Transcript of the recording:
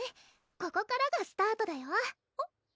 ここからがスタートだよえっ？